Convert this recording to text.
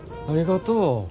ありがとう。